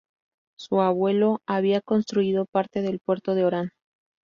Su abuelo había construido parte del puerto de Orán.